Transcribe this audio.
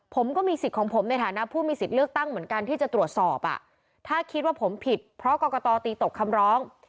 ผมก็มีสิทธิ์ของผมในฐานะผู้มีสิทธิ์เลือกตั้งเหมือนกันที่จะตรวจสอบถ้าคิดว่าผมผิดเพราะกรกตตีตกคำร้อง